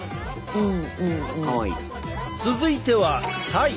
うん。